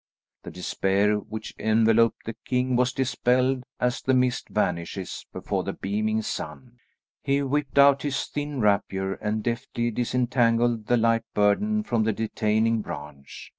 The despair which enveloped the king was dispelled as the mist vanishes before the beaming sun. He whipped out his thin rapier and deftly disentangled the light burden from the detaining branch.